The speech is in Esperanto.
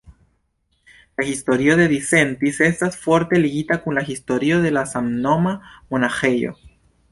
La historio de Disentis estas forte ligita kun la historio de la samnoma monaĥejo.